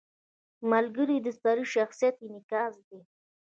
• ملګری د سړي د شخصیت انعکاس دی.